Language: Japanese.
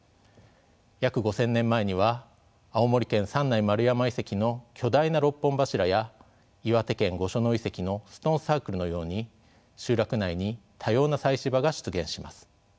約５，０００年前には青森県三内丸山遺跡の巨大な６本柱や岩手県御所野遺跡のストーンサークルのように集落内に多様な祭祀場が出現します。